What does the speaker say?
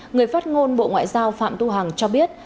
người phát ngôn bộ ngoại giao phạm tu hằng cho biết